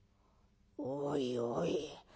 「おいおい。